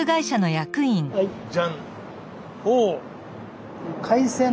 じゃん！